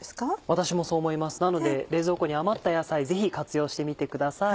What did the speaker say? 私もそう思いますなので冷蔵庫に余った野菜ぜひ活用してみてください。